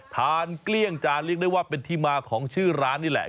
เกลี้ยงจานเรียกได้ว่าเป็นที่มาของชื่อร้านนี่แหละ